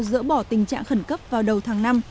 dỡ bỏ tình trạng khẩn cấp vào đầu tháng năm